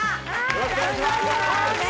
よろしくお願いします。